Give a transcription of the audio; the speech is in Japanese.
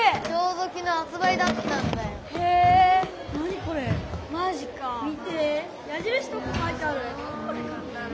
どこで買ったの？